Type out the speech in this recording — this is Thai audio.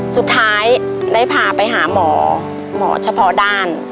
สุดท้ายได้พาไปหาหมอหมอเฉพาะด้าน